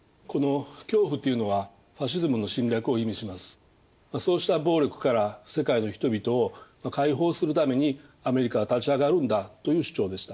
例えばローズヴェルトはそうした暴力から世界の人々を解放するためにアメリカは立ち上がるんだという主張でした。